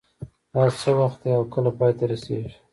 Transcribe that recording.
دا څه وخت ده او کله پای ته رسیږي